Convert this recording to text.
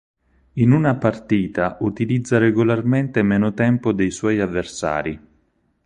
In una partita utilizza regolarmente meno tempo dei suoi avversari.